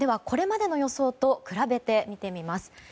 これまでの予想と比べて見てみます。